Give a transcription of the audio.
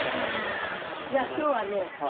じゃあ今日はね